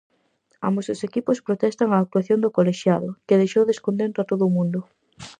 Ambos os equipos protestan a actuación do colexiado, que deixou descontento a todo o mundo.